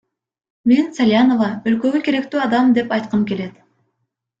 Мен Салянова – өлкөгө керектүү адам деп айткым келет.